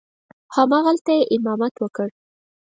همغلته یې امامت وکړ.